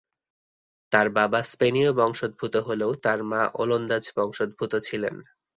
তার বাবা স্পেনীয় বংশোদ্ভূত হলেও তার মা ওলন্দাজ বংশোদ্ভূত ছিলেন।